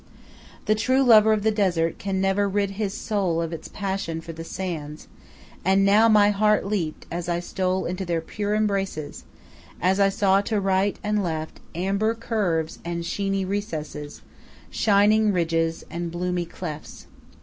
The true lover of the desert can never rid his soul of its passion for the sands, and now my heart leaped as I stole into their pure embraces, as I saw to right and left amber curves and sheeny recesses, shining ridges and bloomy clefts.